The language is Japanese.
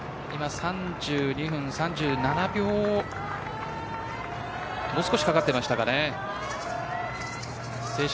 ３２分３７秒もう少しかかっていたでしょうか。